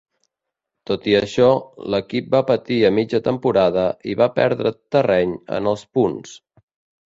Tot i això, l'equip va patir a mitja temporada i va perdre terreny en els punts.